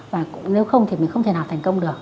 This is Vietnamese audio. và cũng nếu không thì mình không thể nào thành công được